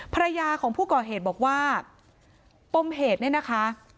ภรรยาของผู้ก่อเหตุบอกว่าปมเหตุเนี่ยนะคะ